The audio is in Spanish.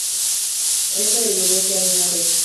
Eso evidencia una red.